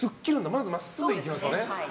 まず真っすぐ行きますね。